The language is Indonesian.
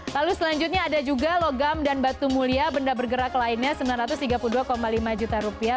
lalu selanjutnya ada juga logam dan batu mulia benda bergerak lainnya sembilan ratus tiga puluh dua lima juta rupiah